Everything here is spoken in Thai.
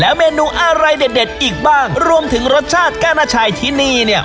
เมนูอะไรเด็ดเด็ดอีกบ้างรวมถึงรสชาติก้านาชัยที่นี่เนี่ย